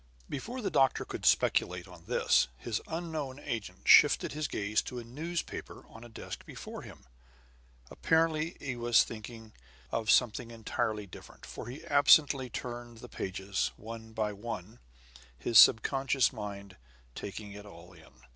Before the doctor could speculate on this, his unknown agent shifted his gaze to a newspaper on a desk before him. Apparently he was thinking of something entirely different; for he absently turned the pages, one by one, his subconscious mind taking it all in.